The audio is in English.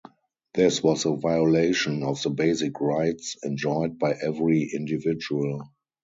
This was a violation of the basic rights enjoyed by every individual.